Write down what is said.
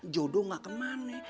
jodoh gak kemana